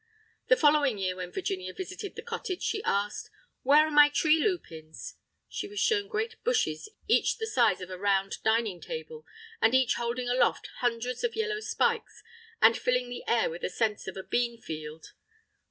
The following year when Virginia visited the cottage she asked, "Where are my tree lupins?" She was shown great bushes each the size of a round dining table, and each holding aloft hundreds of yellow spikes, and filling the air with the scent of a bean field.